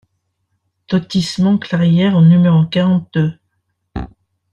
Lotissement Clairière au numéro quarante-deux